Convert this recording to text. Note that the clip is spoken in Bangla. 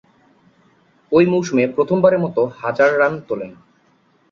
ঐ মৌসুমে প্রথমবারের মতো হাজার রান তোলেন।